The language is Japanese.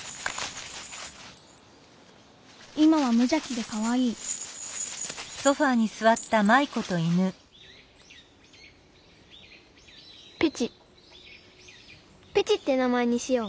今はむじゃきでかわいいペチペチって名前にしよう！